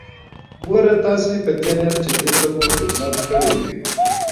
ګوره تاسې په دې نيت چې دين ته مو خدمت کړى وي.